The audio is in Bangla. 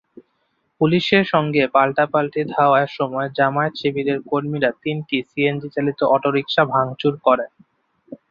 পুলিশের সঙ্গে পাল্টাপাল্টি ধাওয়ার সময় জামায়াত-শিবিরের কর্মীরা তিনটি সিএনজিচালিত অটোরিকশা ভাঙচুর করেন।